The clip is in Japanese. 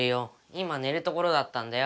今寝るところだったんだよ。